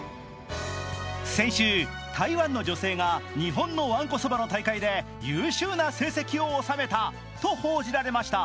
先週、台湾の女性が日本のわんこそばの大会で優秀な成績を収めたと報じられました。